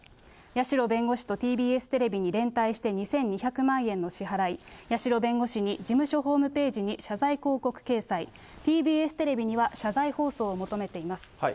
八代弁護士とＴＢＳテレビに連帯して２２００万円の支払い、八代弁護士に事務所ホームページに謝罪広告掲載、ＴＢＳテレビには謝罪放送を求めています。